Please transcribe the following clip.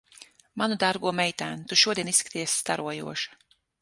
Manu dārgo meitēn, tu šodien izskaties starojoša.